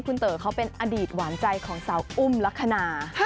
คุณเต๋อเขาเป็นอดีตหวานใจของสาวอุ้มลักษณะ